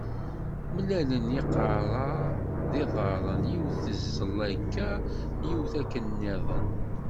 Mlalen yiqerra d yiḍarren yiwet teẓẓel aka, yiwet akken nniḍen.